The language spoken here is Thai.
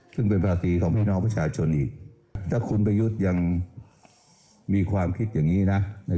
ซึ่งเป็นภาษีของพี่น้องประชาชนอีกถ้าคุณประยุทธ์ยังมีความคิดอย่างนี้นะ